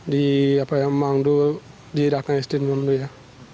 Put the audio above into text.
di mangdu di rakhine sdn mangdu ya